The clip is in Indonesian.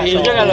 itu kan lo